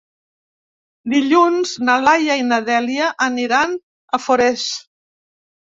Dilluns na Laia i na Dèlia aniran a Forès.